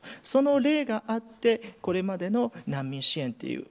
その例があってこれまでの難民支援